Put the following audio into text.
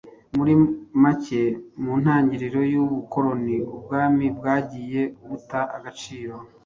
Muri make, mu ntagiriro y'ubukoloni, ubwami bwagiye buta agaciro